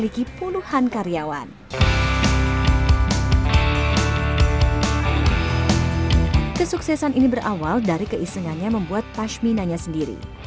kesuksesan ini berawal dari keisengannya membuat pashminanya sendiri